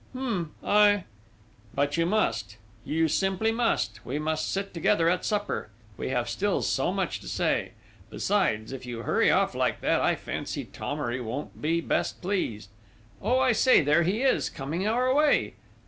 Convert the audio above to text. "Hum! I..." "But you must! You simply must! We must sit together at supper, we have still so much to say!... Besides, if you hurry off like that, I fancy Thomery won't be best pleased. Oh, I say, there he is, coming our way!